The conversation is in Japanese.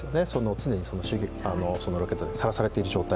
常に襲撃、ロケットにさらされている状態。